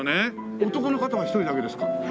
男の方は１人だけですか？